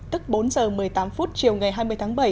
tức bốn giờ một mươi tám phút chiều ngày hai mươi tháng bảy